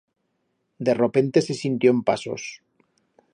De ropente se sintión pasos.